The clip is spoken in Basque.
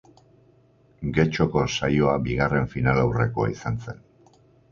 Getxoko saioa bigarren finalaurrekoa izan zen.